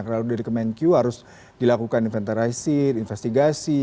kalau dari kemenkyu harus dilakukan inventarisi investigasi